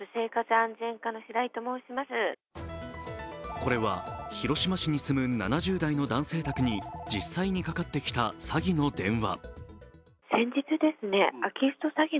これは広島市に住む７０代の男性宅に実際にかかってきた詐欺の電話。